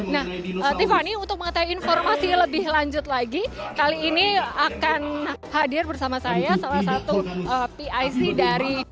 nah tiffany untuk mengetahui informasi lebih lanjut lagi kali ini akan hadir bersama saya salah satu pic dari